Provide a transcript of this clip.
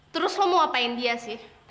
terus lo mau apain dia sih